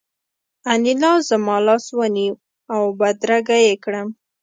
انیلا زما لاس ونیو او بدرګه یې کړم